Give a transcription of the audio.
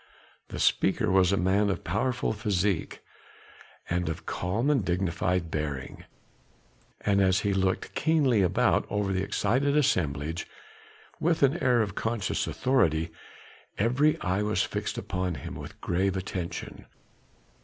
The speaker was a man of powerful physique, and of calm and dignified bearing. As he looked keenly about over the excited assemblage with an air of conscious authority, every eye was fixed upon him with grave attention.